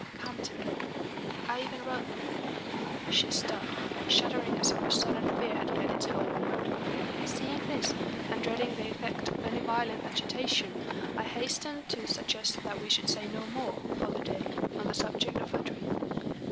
Come to me.' I even wrote " She stopped, shuddering as if a sudden fear had laid its hold on her. Seeing this, and dreading the effect of any violent agitation, I hastened to suggest that we should say no more, for that day, on the subject of her dream.